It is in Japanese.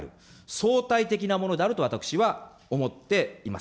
相対的なものであると私は思っています。